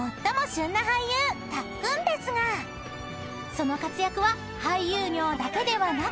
［その活躍は俳優業だけではなく］